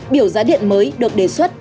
biểu giá điện mới được đề xuất